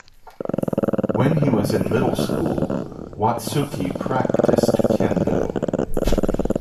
When he was in middle school, Watsuki practiced kendo.